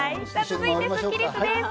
続いてはスッキりすです。